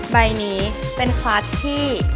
ใบนี้เป็นคลาสที่